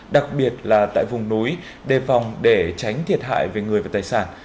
đặc biệt là tại vùng núi đề phòng để tránh thiệt hại về người và tài sản